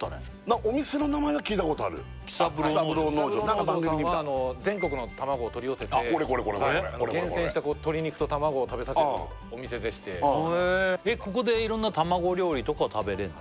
何か番組で見た喜三郎農場さんは全国の卵を取り寄せて厳選した鶏肉と卵を食べさせるお店でしてここでいろんな卵料理とかを食べれるの？